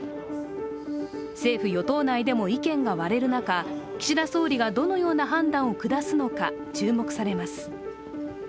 政府・与党内でも意見が割れる中岸田総理がどのような判断を下すのか、注目されます。